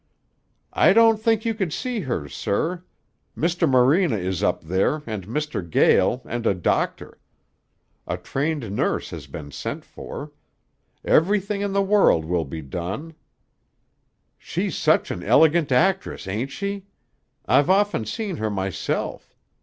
"I don't think you could see her, sir. Mr. Morena is up there, and Mr. Gael, and a doctor. A trained nurse has been sent for. Everything in the world will be done. She's such an elegant actress, ain't she? I've often seen her myself.